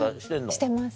してます。